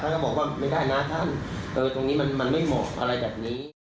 ก็บอกว่าไม่ได้นะท่านตรงนี้มันไม่เหมาะอะไรแบบนี้